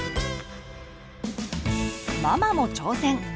ママも挑戦！